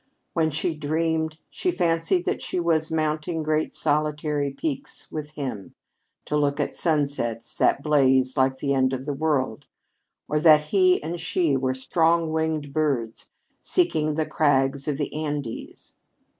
When she dreamed, she fancied that she was mounting great solitary peaks with him to look at sunsets that blazed like the end of the world; or that he and she were strong winged birds seeking the crags of the Andes.